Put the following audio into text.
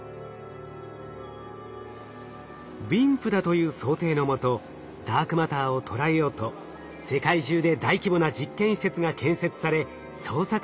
ＷＩＭＰだという想定のもとダークマターを捉えようと世界中で大規模な実験施設が建設され捜索が行われてきました。